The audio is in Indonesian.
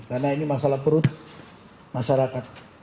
karena ini masalah perut masyarakat